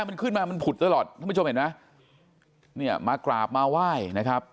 มันขึ้นมามันผุดตลอดท่านผู้ชมเห็นไหมเนี่ยมากราบมาไหว้นะครับ